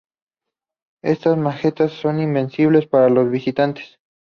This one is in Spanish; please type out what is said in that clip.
Estas "meta tags" son invisibles para los visitantes.